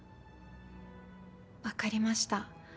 分かりました。